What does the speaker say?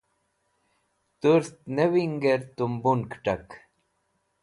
turt ne winger tumbun ketak